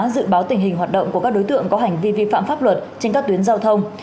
dự báo tình hình hoạt động của các đối tượng có hành vi vi phạm pháp luật trên các tuyến giao thông